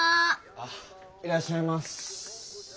あいらっしゃいま。